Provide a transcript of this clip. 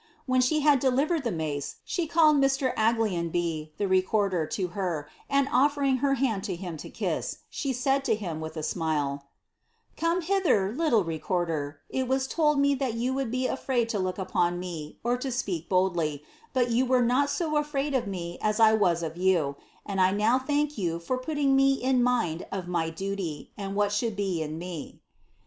When she ha delivered the mace, she called Mr. Aglionby, the rec'mler, to her, aa oSering her hand lo him lo kiss, she said to him, wiiti a smile —'• Couie hither, little recorder : it was told me that you would be afrw 10 look upon me, or to speak boldly, but you were not so afraid of n as I was of you, and I now thank you for putting me in mind of id; duty, and what should he in me.'"